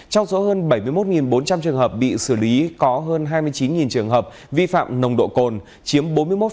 trong số hơn bảy mươi một bốn trăm linh trường hợp bị xử lý có hơn hai mươi chín trường hợp vi phạm nồng độ cồn chiếm bốn mươi một